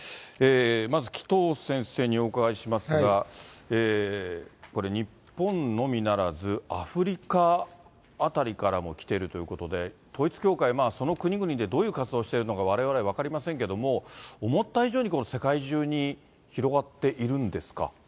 まず、紀藤先生にお伺いしますが、これ、日本のみならず、アフリカ辺りからも来ているということで、統一教会、その国々でどういう活動しているのか、われわれ分かりませんけれども、思った以上に世界中に広がっているんですか。